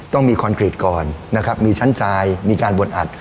ต้องมีคอนกรีตก่อนนะครับมีชั้นทรายมีการบดอัด